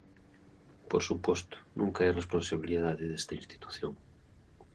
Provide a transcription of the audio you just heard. Por suposto, nunca é responsabilidade desta institución.